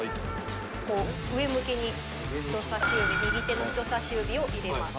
こう上向きに、人さし指、右手の人さし指を入れます。